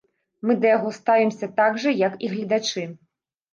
Мы да яго ставімся так жа, як і гледачы!